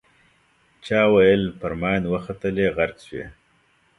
چا ویل پر ماین وختلې غرق شوې.